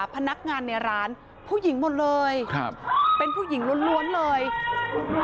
พนักงานในร้านผู้หญิงหมดเลยครับเป็นผู้หญิงล้วนล้วนเลย